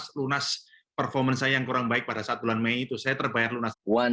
terbayar juga mas lunas performance saya yang kurang baik pada saat bulan mei itu saya terbayar luna dan keringin